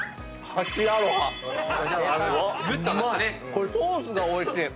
これソースがおいしい。